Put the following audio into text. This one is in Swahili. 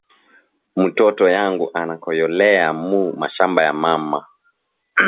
Mutoto yangu ana koyolea mu mashamba ya mama